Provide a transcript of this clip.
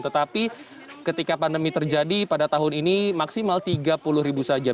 tetapi ketika pandemi terjadi pada tahun ini maksimal tiga puluh ribu saja